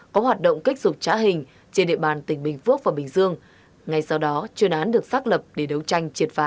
có hoạt động kích dục trá hình trên địa bàn tỉnh bình phước và bình dương ngay sau đó chuyên án được xác lập để đấu tranh triệt phá